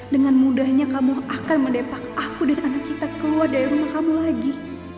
dengan mudahnya kamu akan menepak aku dan anak kita keluar dari rumah kamu lagi